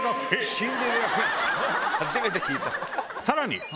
さらに。